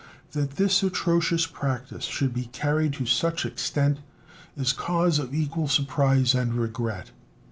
That this atrocious practice should be carried to such extent is cause of equal surprise and regret.